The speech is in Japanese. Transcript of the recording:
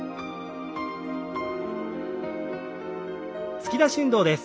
突き出し運動です。